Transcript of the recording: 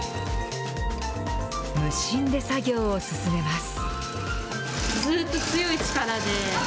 無心で作業を進めます。